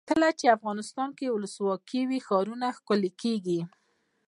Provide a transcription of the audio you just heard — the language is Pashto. کله چې افغانستان کې ولسواکي وي ښارونه ښکلي کیږي.